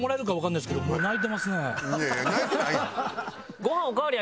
いやいや泣いてないやん！